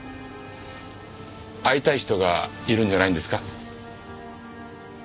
会いたい人がいるんじゃないんですか？